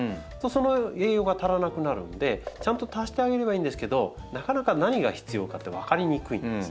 その栄養が足らなくなるんでちゃんと足してあげればいいんですけどなかなか何が必要かって分かりにくいんです。